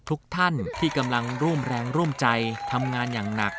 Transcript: ทุกท่านที่กำลังร่วมแรงร่วมใจทำงานอย่างหนัก